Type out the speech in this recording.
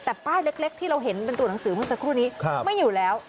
แต่ป้ายเล็กที่เราเห็นเป็นตัวหนังสือเมื่อสักครู่นี้ไม่อยู่แล้ว